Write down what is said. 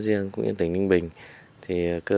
riêng cũng như tỉnh ninh bình thì cơ